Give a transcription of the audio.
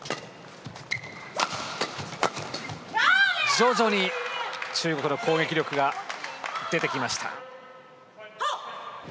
徐々に中国の攻撃力が出てきました。